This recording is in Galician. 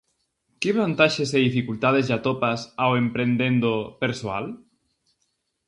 Que vantaxes e dificultades lle atopas ao emprendendo persoal?